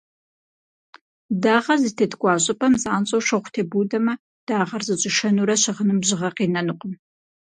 Дагъэ зытеткӏуа щӏыпӏэм занщӏэу шыгъу тебудэмэ, дагъэр зыщӏишэнурэ щыгъыным бжьыгъэ къинэнукъым.